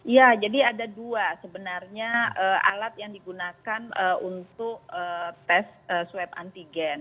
ya jadi ada dua sebenarnya alat yang digunakan untuk tes swab antigen